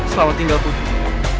selamat tinggal putri